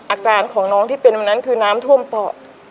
อาการของน้องที่เป็นวันนั้นคือน้ำท่วมปอด